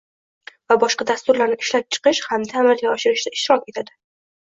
va boshqa dasturlarni ishlab chiqish hamda amalga oshirishda ishtirok etadi;